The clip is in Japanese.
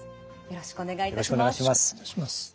よろしくお願いします。